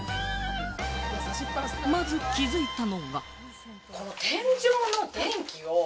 まず気づいたのが。